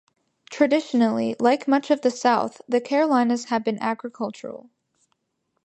Traditionally, like much of the South, the Carolinas have been agricultural.